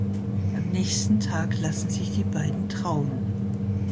Am nächsten Tag lassen sich die beiden trauen.